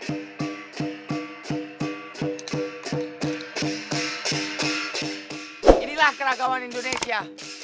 inilah keragaman indonesia